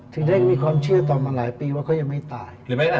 ถึงได้มีความเชื่อต่อมาหลายปีว่าเขายังไม่ตาย